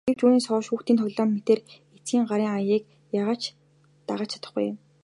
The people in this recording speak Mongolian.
Гэвч үүнээс хойш хүүхдийн тоглоом мэтээр эцгийн гарын аяыг яагаад ч дагаж чадахгүй.